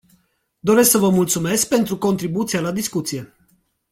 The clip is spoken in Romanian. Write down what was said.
Doresc să vă mulțumesc pentru contribuția la discuție.